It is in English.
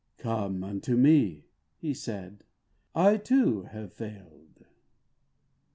Come unto Me,' He said; 'I, too, have failed.